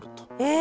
え！